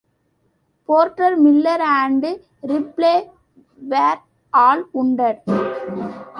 Porter, Miller and Ripley were all wounded.